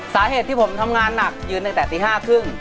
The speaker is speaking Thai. สาเหตุที่ผมทำงานหนักยืนตั้งแต่สี่ห้าครึ่ง